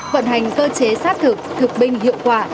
vận hành cơ chế xác thực thực binh hiệu quả